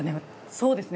そうですね